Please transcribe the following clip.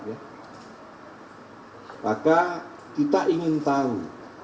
maka kita ingin tahu